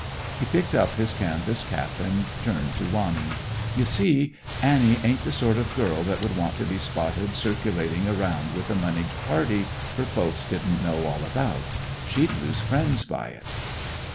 He picked up his canvas cap and turned to Wanning. "You see, Annie ain't the sort of girl that would want to be spotted circulating around with a monied party her folks didn't know all about. She'd lose friends by it."